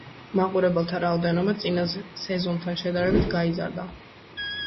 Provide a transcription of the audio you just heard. მაყურებელთა რაოდენობა წინა სეზონთან შედარებით გაიზარდა.